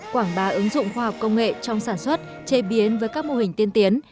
quảng bá ứng dụng khoa học công nghệ trong sản xuất chế biến với các mô hình tiên tiến